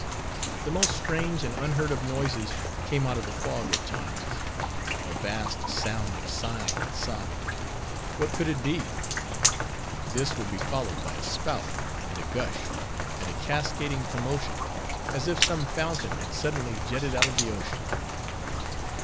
The most strange and unheard of noises came out of the fog at times: a vast sound of sighing and sobbing. What could it be? This would be followed by a spout, and a gush, and a cascading commotion, as if some fountain had suddenly jetted out of the ocean.